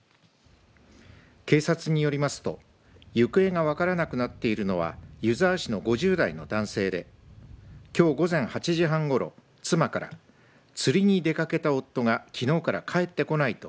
警察によりますと行方が分からなくなっているのは湯沢市の５０代の男性できょう午前８時半ごろ妻から釣りに出かけた夫がきのうから帰ってこないと